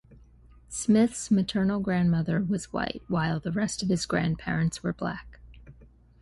Smith's maternal grandmother was white, while the rest of his grandparents were black.